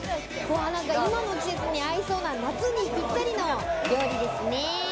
今の季節に合いそうな夏にぴったりの料理ですね。